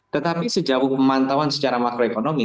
tetapi sejauh pemantauan secara makro ekonomi ya